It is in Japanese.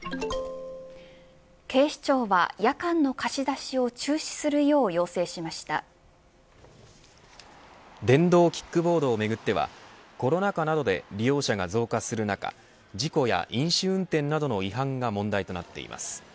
警視庁は夜間の貸し出しを中止するよう電動キックボードをめぐってはコロナ禍などで利用者が増加する中事故や飲酒運転などの違反が問題となっています。